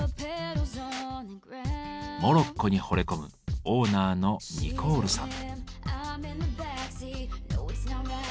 モロッコにほれ込むオーナーのニコールさん。